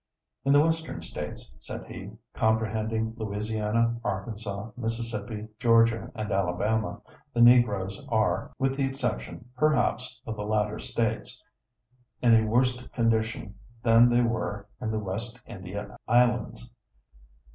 "In the Western States," said he, "comprehending Louisiana, Arkansas, Mississippi, Georgia, and Alabama, the Negroes are, with the exception, perhaps, of the latter States, in a worst condition than they were in the West India Islands.